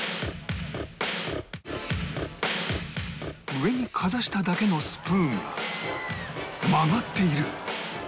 上にかざしただけのスプーンが曲がっている